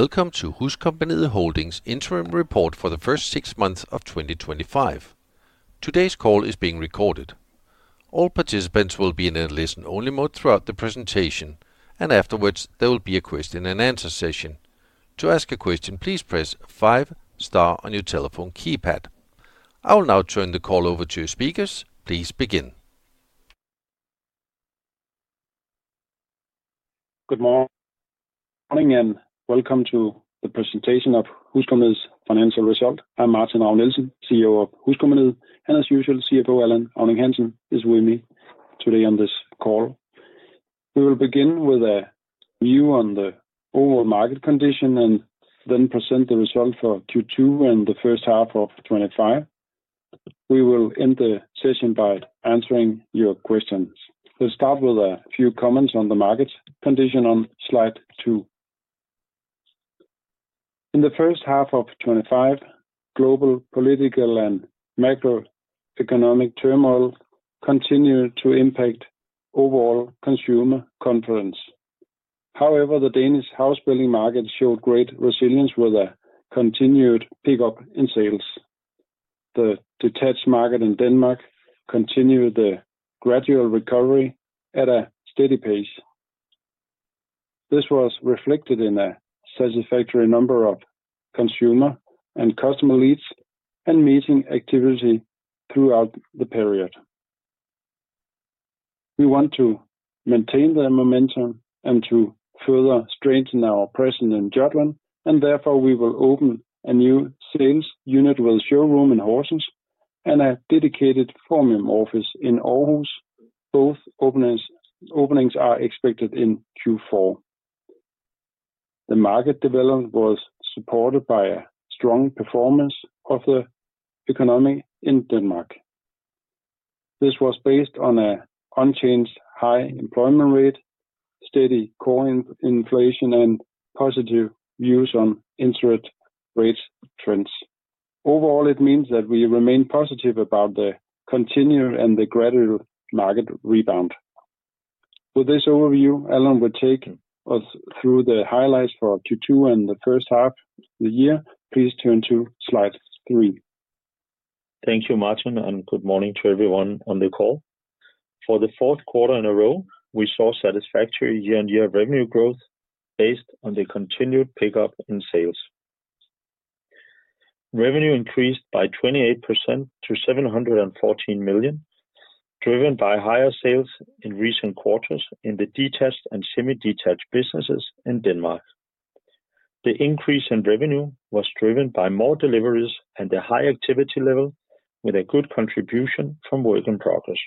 Welcome to HusCompagniet Holdings' interim report for the first six months of 2025. Today's call is being recorded. All participants will be in a listen-only mode throughout the presentation, and afterwards, there will be a question-and-answer session. To ask a question, please press five star on your telephone keypad. I will now turn the call over to your speakers. Please begin. Good morning and welcome to the presentation of HusCompagniet's financial result. I'm Martin Ravn-Nielsen, CEO of HusCompagniet, and as usual, CFO Allan Auning-Hansen is with me today on this call. We will begin with a view on the overall market condition and then present the result for Q2 and the first half of 2025. We will end the session by answering your questions. Let's start with a few comments on the market condition on slide two. In the first half of 2025, global political and macroeconomic turmoil continued to impact overall consumer confidence. However, the Danish housebuilding market showed great resilience with a continued pickup in sales. The detached market in Denmark continued the gradual recovery at a steady pace. This was reflected in a satisfactory number of consumer and customer leads and meeting activity throughout the period. We want to maintain the momentum and to further strengthen our presence in Jutland, and therefore, we will open a new sales unit with a showroom in Horsens and a dedicated formal office in Aarhus. Both openings are expected in Q4. The market development was supported by a strong performance of the economy in Denmark. This was based on an unchanged high employment rate, steady core inflation, and positive views on interest rate trends. Overall, it means that we remain positive about the continued and the gradual market rebound. With this overview, Allan will take us through the highlights for Q2 and the first half of the year. Please turn to slide three. Thank you, Martin, and good morning to everyone on the call. For the fourth quarter in a row, we saw satisfactory year-on-year revenue growth based on the continued pickup in sales. Revenue increased by 28% to 714 million, driven by higher sales in recent quarters in the detached and semi-detached businesses in Denmark. The increase in revenue was driven by more deliveries and a high activity level with a good contribution from work in progress.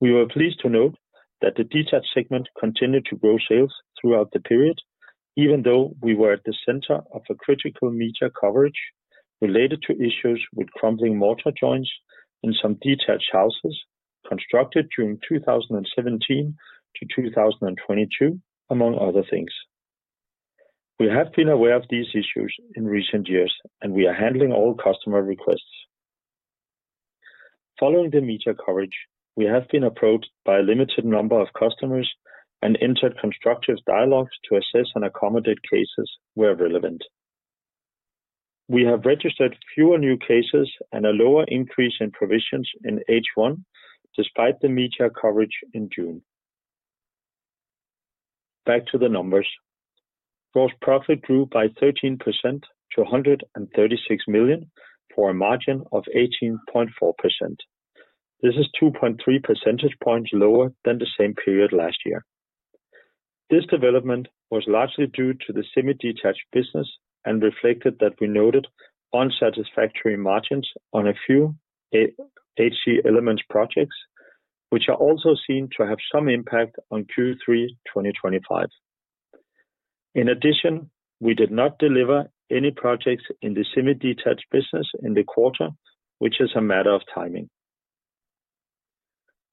We were pleased to note that the detached segment continued to grow sales throughout the period, even though we were at the center of critical media coverage related to issues with crumbling mortar joints in some detached houses constructed during 2017 to 2022, among other things. We have been aware of these issues in recent years, and we are handling all customer requests. Following the media coverage, we have been approached by a limited number of customers and entered constructive dialogues to assess and accommodate cases where relevant. We have registered fewer new cases and a lower increase in provisions in H1, despite the media coverage in June. Back to the numbers. Gross profit grew by 13% to 136 million for a margin of 18.4%. This is 2.3 percentage points lower than the same period last year. This development was largely due to the semi-detached business and reflected that we noted unsatisfactory margins on a few HC Elements projects, which are also seen to have some impact on Q3 2025. In addition, we did not deliver any projects in the semi-detached business in the quarter, which is a matter of timing.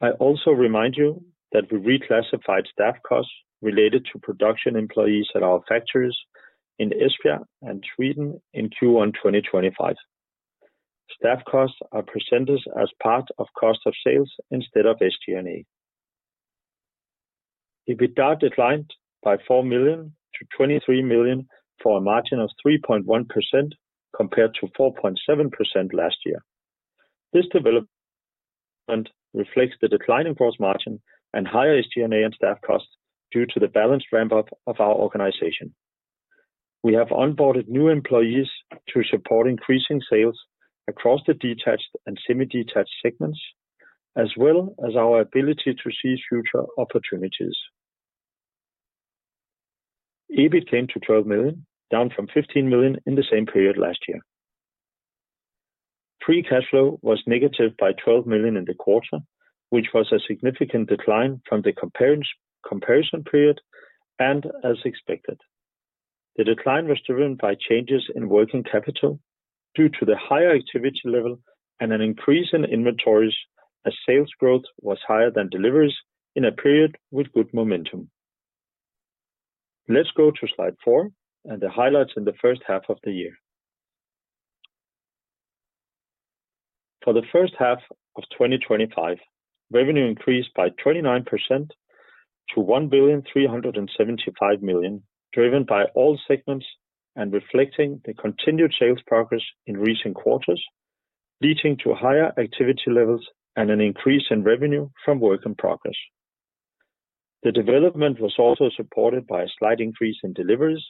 I also remind you that we reclassified staff costs related to production employees at our factories in Esbjerg and Sweden in Q1 2025. Staff costs are presented as part of cost of sales instead of SG&A. EBITDA declined by 4 million to 23 million for a margin of 3.1% compared to 4.7% last year. This development reflects the declining gross margin and higher SG&A and staff costs due to the balance ramp-up of our organization. We have onboarded new employees to support increasing sales across the detached and semi-detached segments, as well as our ability to seize future opportunities. EBIT came to 12 million, down from 15 million in the same period last year. Free cash flow was by -12 million in the quarter, which was a significant decline from the comparison period and as expected. The decline was driven by changes in working capital due to the higher activity level and an increase in inventories as sales growth was higher than deliveries in a period with good momentum. Let's go to slide four and the highlights in the first half of the year. For the first half of 2025, revenue increased by 29% to 1,375,000,000, driven by all segments and reflecting the continued sales progress in recent quarters, leading to higher activity levels and an increase in revenue from work in progress. The development was also supported by a slight increase in deliveries,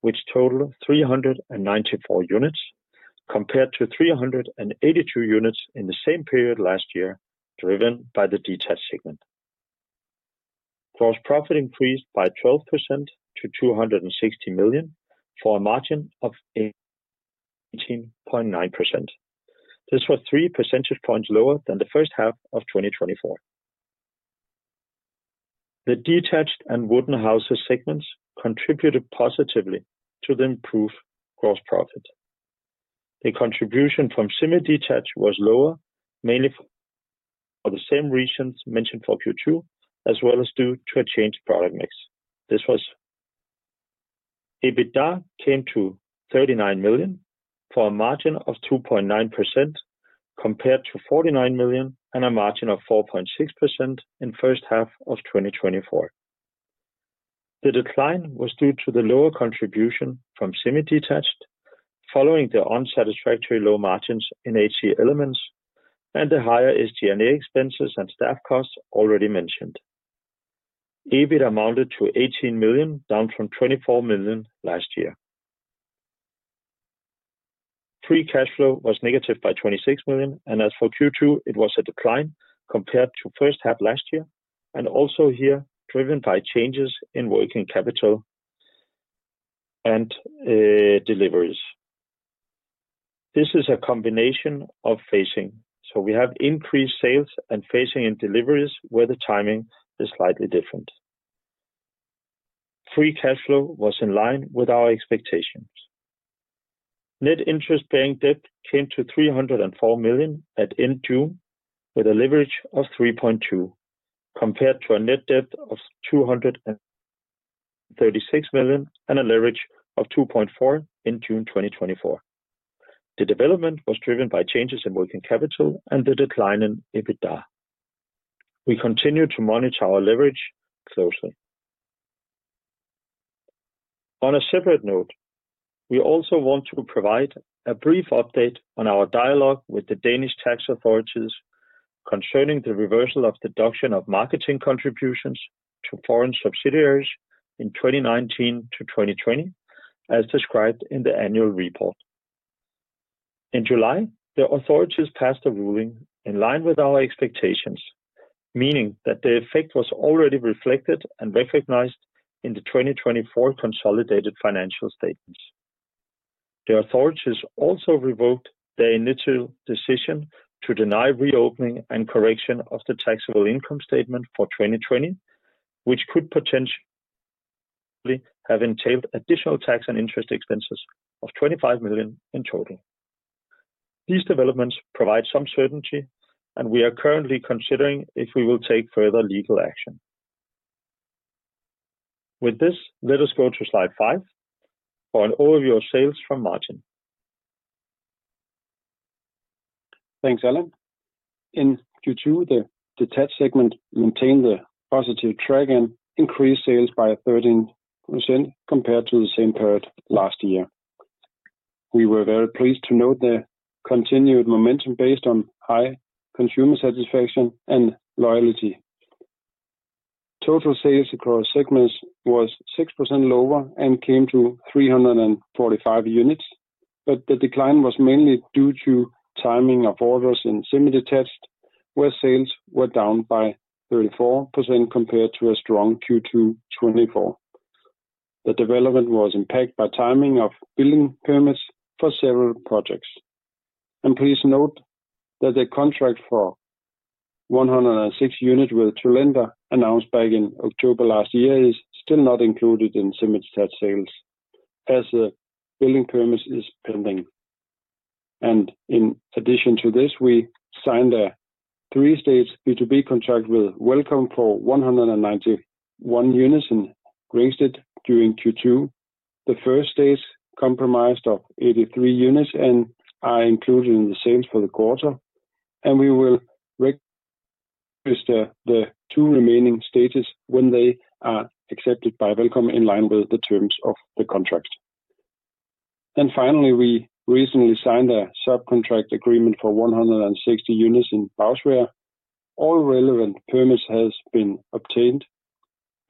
which totaled 394 units compared to 382 units in the same period last year, driven by the detached segment. Gross profit increased by 12% to 260,000,000 for a margin of 18.9%. This was 3 percentage points lower than the first half of 2024. The detached and wooden houses segments contributed positively to the improved gross profit. The contribution from semi-detached was lower, mainly for the same reasons mentioned for Q2, as well as due to a changed product mix. EBITDA came to 39,000,000 for a margin of 2.9% compared to 49,000,000 and a margin of 4.6% in the first half of 2024. The decline was due to the lower contribution from semi-detached following the unsatisfactory low margins in HC Elements and the higher SG&A expenses and staff costs already mentioned. EBIT amounted to 18,000,000, down from 24,000,000 last year. Free cash flow was negative by 26,000,000, and as for Q2, it was a decline compared to the first half last year, and also here driven by changes in working capital and deliveries. This is a combination of phasing. We have increased sales and phasing in deliveries where the timing is slightly different. Free cash flow was in line with our expectations. Net interest-bearing debt came to 304,000,000 at end of June with a leverage of 3.2 compared to a net debt of 236,000,000 and a leverage of 2.4 in June 2024. The development was driven by changes in working capital and the decline in EBITDA. We continue to monitor our leverage closely. On a separate note, we also want to provide a brief update on our dialogue with the Danish tax authorities concerning the reversal of the deduction of marketing contributions to foreign subsidiaries in 2019 to 2020, as described in the annual report. In July, the authorities passed a ruling in line with our expectations, meaning that the effect was already reflected and recognized in the 2024 consolidated financial statements. The authorities also revoked their initial decision to deny reopening and correction of the taxable income statement for 2020, which could potentially have entailed additional tax and interest expenses of 25,000,000 in total. These developments provide some certainty, and we are currently considering if we will take further legal action. With this, let us go to slide five for an overview of sales from Martin. Thanks, Allan. In Q2, the detached segment maintained a positive track and increased sales by 13% compared to the same period last year. We were very pleased to note the continued momentum based on high consumer satisfaction and loyalty. Total sales across segments was 6% lower and came to 345 units, but the decline was mainly due to timing of orders in semi-detached where sales were down by 34% compared to a strong Q2 2024. The development was impacted by timing of building permits for several projects. Please note that the contract for 106 units with Tulenda announced back in October last year is still not included in semi-detached sales as the building permit is pending. In addition to this, we signed a three-stage B2B contract with Welcome for 191 units in Grindsted during Q2. The first stage comprised 83 units and are included in the sales for the quarter, and we will register the two remaining stages when they are accepted by Welcome in line with the terms of the contract. Finally, we recently signed a subcontract agreement for 160 units in Bauswerd. All relevant permits have been obtained,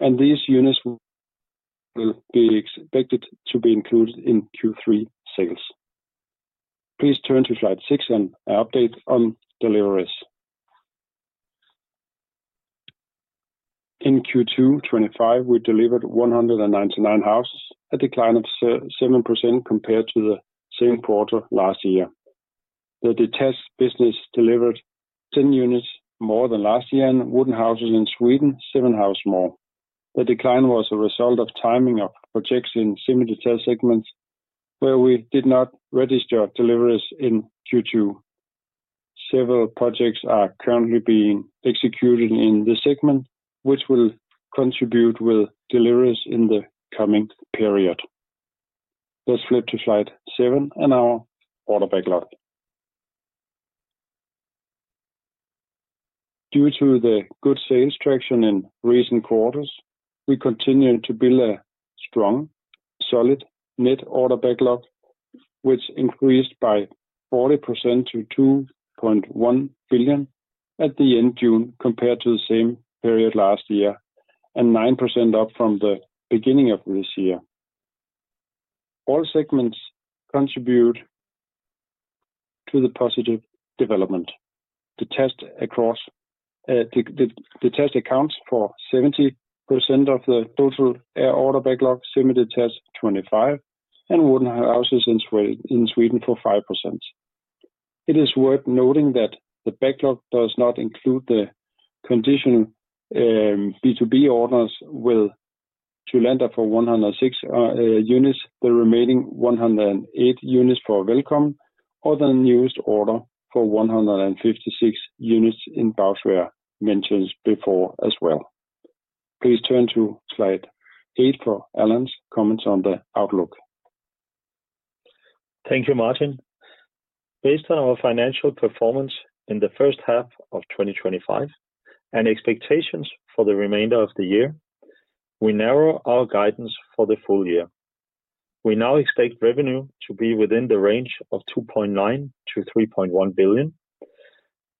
and these units will be expected to be included in Q3 sales. Please turn to slide six and an update on deliveries. In Q2 2025, we delivered 199 houses, a decline of 7% compared to the same quarter last year. The detached business delivered 10 units more than last year, and wooden houses in Sweden, 7 houses more. The decline was a result of timing of projects in semi-detached segments where we did not register deliveries in Q2. Several projects are currently being executed in this segment, which will contribute with deliveries in the coming period. Let's flip to slide seven and our order backlog. Due to the good sales traction in recent quarters, we continue to build a strong, solid net order backlog, which increased by 40% to 2.1 billion at the end of June compared to the same period last year and 9% up from the beginning of this year. All segments contribute to the positive development. Detached houses account for 70% of the total order backlog, semi-detached 25%, and wooden houses in Sweden for 5%. It is worth noting that the backlog does not include the conditional B2B contracts with Tulenda for 106 units, the remaining 108 units for Welcome, or the newest order for 156 units in Bauswerd mentioned before as well. Please turn to slide eight for Allan's comments on the outlook. Thank you, Martin. Based on our financial performance in the first half of 2025 and expectations for the remainder of the year, we narrow our guidance for the full year. We now expect revenue to be within the range of 2.9 billion- 3.1 billion.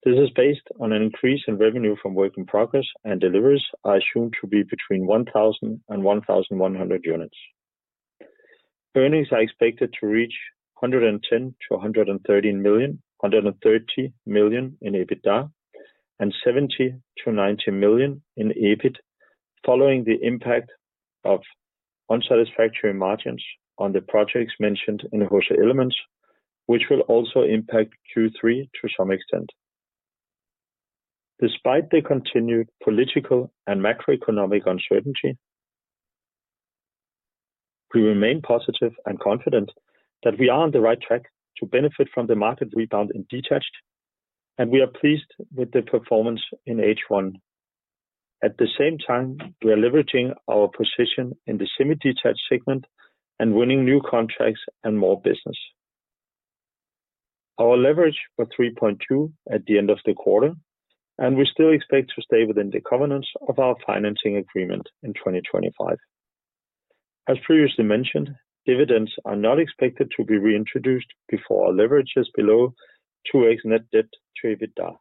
This is based on an increase in revenue from work in progress and deliveries assumed to be between 1,000 and 1,100 units. Earnings are expected to reach 110 million-130 million in EBITDA and 70 million- 90 million in EBIT following the impact of unsatisfactory margins on the projects mentioned in HusCompagniet, which will also impact Q3 to some extent. Despite the continued political and macroeconomic uncertainty, we remain positive and confident that we are on the right track to benefit from the market rebound in detached houses, and we are pleased with the performance in H1. At the same time, we are leveraging our position in the semi-detached segment and winning new contracts and more business. Our leverage was 3.2 at the end of the quarter, and we still expect to stay within the covenants of our financing agreement in 2025. As previously mentioned, dividends are not expected to be reintroduced before our leverage is below 2x net debt to EBITDA.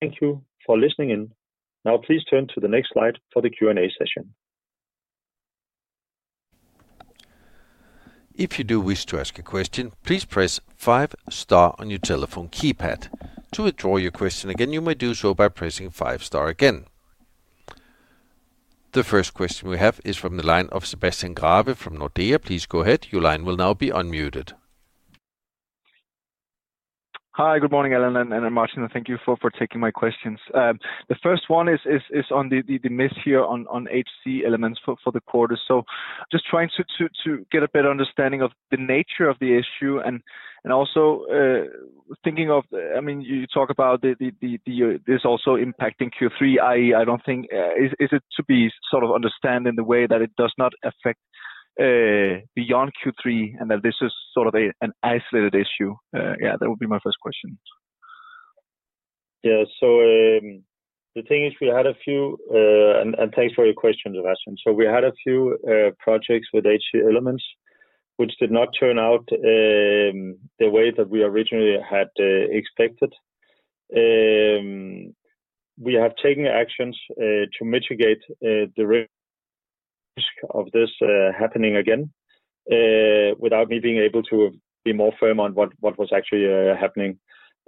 Thank you for listening in. Now, please turn to the next slide for the Q&A session. If you do wish to ask a question, please press five star on your telephone keypad. To withdraw your question again, you may do so by pressing five star again. The first question we have is from the line of Sebastian Grave from Nordea. Please go ahead. Your line will now be unmuted. Hi. Good morning, Allan and Martin. Thank you for taking my questions. The first one is on the demise here on HC Elements for the quarter. Just trying to get a better understanding of the nature of the issue and also thinking of, I mean, you talk about this also impacting Q3, i.e., I don't think is it to be sort of understood in the way that it does not affect beyond Q3 and that this is sort of an isolated issue? That would be my first question. Yeah. The thing is we had a few, and thanks for your question, Sebastian. We had a few projects with HC Elements which did not turn out the way that we originally had expected. We have taken actions to mitigate the risk of this happening again without me being able to be more firm on what was actually happening.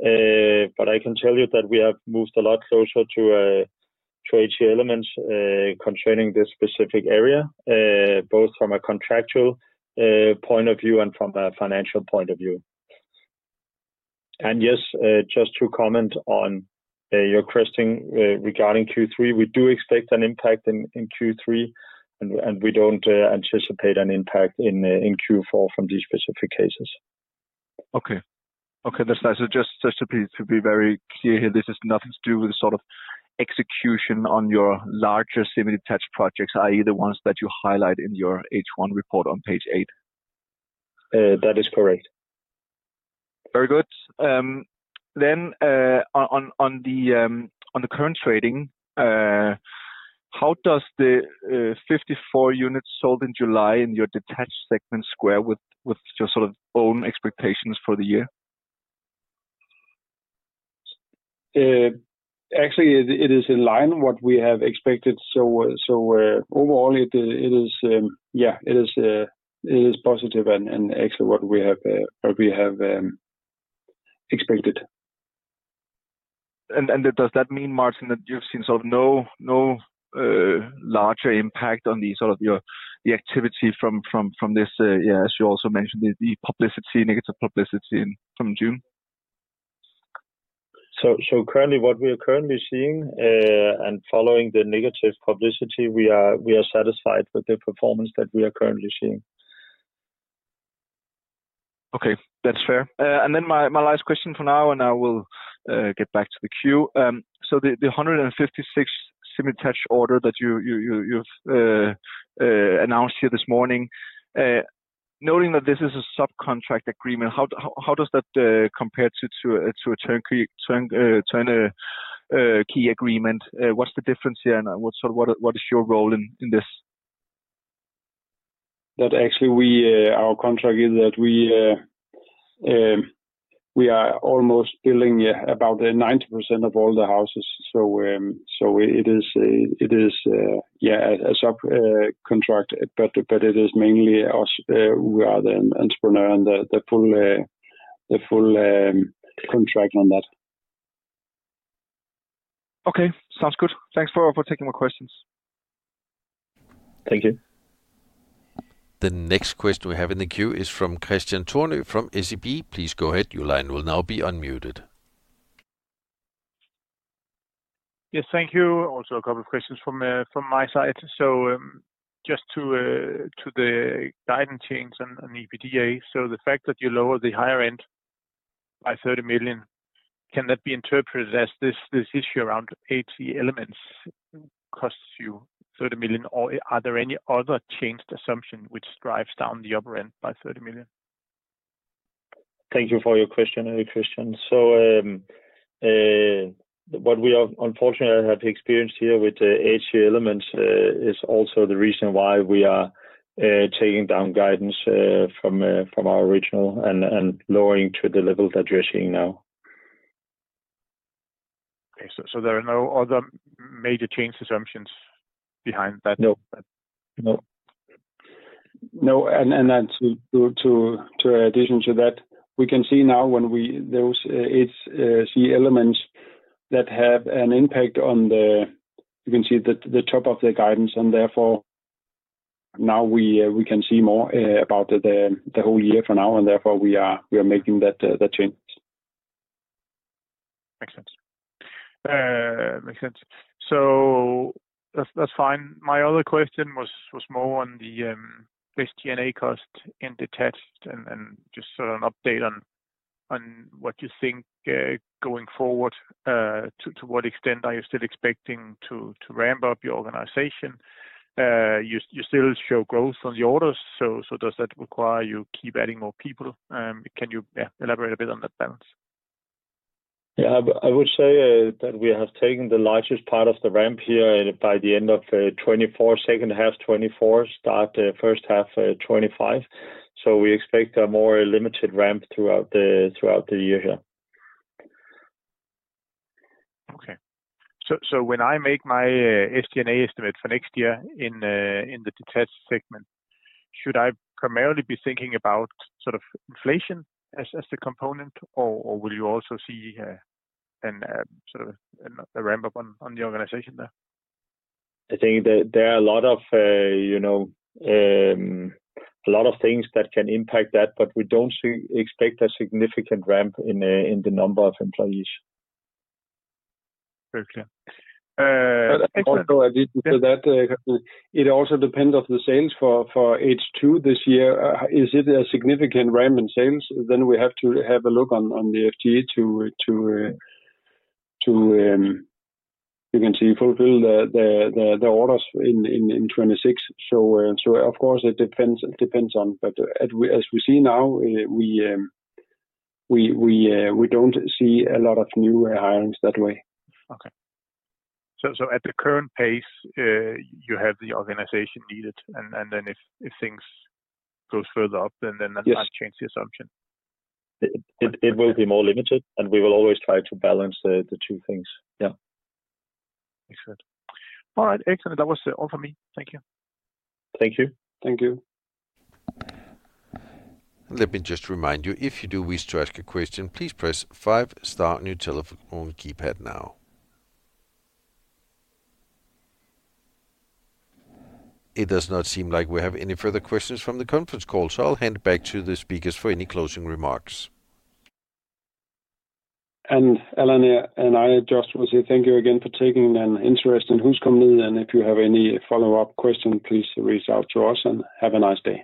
I can tell you that we have moved a lot closer to HC Elements controlling this specific area, both from a contractual point of view and from a financial point of view. Yes, just to comment on your question regarding Q3, we do expect an impact in Q3, and we don't anticipate an impact in Q4 from these specific cases. Okay. That's nice. Just to be very clear here, this has nothing to do with the sort of execution on your larger semi-detached projects, i.e., the ones that you highlight in your H1 report on page eight. That is correct. Very good. On the current trading, how does the 54 units sold in July in your detached segment square with your sort of own expectations for the year? It is in line with what we have expected. Overall, it is positive and actually what we have expected. Does that mean, Martin, that you've seen no larger impact on your activity from this, as you also mentioned, the negative publicity from June? Currently, what we are seeing and following the negative publicity, we are satisfied with the performance that we are currently seeing. Okay. That's fair. My last question for now, I will get back to the queue. The 156 semi-detached order that you've announced here this morning, noting that this is a subcontract agreement, how does that compare to a turnkey agreement? What's the difference here and what is your role in this? Actually, our contract is that we are almost building about 90% of all the houses. It is a subcontract, but it is mainly us. We are the entrepreneur and the full contract on that. Okay. Sounds good. Thanks for taking my questions. Thank you. The next question we have in the queue is from Christian Thorne from SEB. Please go ahead. Your line will now be unmuted. Yes. Thank you. Also a couple of questions from my side. Just to the guidance change and EBITDA, the fact that you lower the higher end by 30 million, can that be interpreted as this issue around HC Elements costs you 30 million, or are there any other changed assumptions which drive down the upper end by 30 million? Thank you for your question, Christian. What we are, unfortunately, I have experienced here with the HC Elements is also the reason why we are taking down guidance from our original and lowering to the level that you're seeing now. Okay. There are no other major changed assumptions behind that? No. No. No. In addition to that, we can see now when we have those HC Elements that have an impact on the, you can see the top of the guidance. Therefore, now we can see more about the whole year for now, and therefore, we are making that change. Makes sense. That's fine. My other question was more on the SG&A cost in detached and just sort of an update on what you think going forward. To what extent are you still expecting to ramp up your organization? You still show growth on the orders. Does that require you keep adding more people? Can you elaborate a bit on that balance? I would say that we have taken the largest part of the ramp here by the end of 2024, second half 2024, start the first half 2025. We expect a more limited ramp throughout the year here. When I make my SG&A estimate for next year in the detached segment, should I primarily be thinking about sort of inflation as the component, or will you also see a sort of a ramp-up on the organization there? I think that there are a lot of things that can impact that, but we don't expect a significant ramp in the number of employees. Very clear. Also, in addition to that, it also depends on the sales for H2 this year. If it is a significant ramp in sales, we have to have a look on the FTE to, you can see, fulfill the orders in 2026. Of course, it depends, but as we see now, we don't see a lot of new hires that way. At the current pace, you have the organization needed, and if things go further up, that must change the assumption. It will be more limited, and we will always try to balance the two things. Yeah, makes sense. All right, excellent. That was all for me. Thank you. Thank you. Thank you. Let me just remind you, if you do wish to ask a question, please press five star on your telephone keypad now. It does not seem like we have any further questions from the conference call, so I'll hand it back to the speakers for any closing remarks. Allan and I just want to say thank you again for taking an interest in HusCompagniet, and if you have any follow-up questions, please reach out to us and have a nice day.